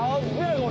これ！